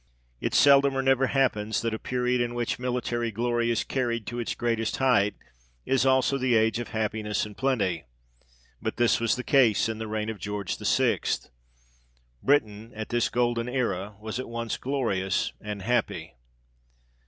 It seldom or never happens that a period in which military glory is carried to its greatest height, is also the age of happiness and plenty ; but this was the case in the reign of George VI. Britain, at this golden aera, was at once glorious and happy.